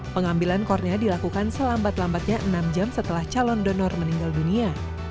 pengambilan cornea dilakukan selambat lambatnya enam jam setelah calon donor meninggal dunia